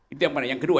itu yang mana yang kedua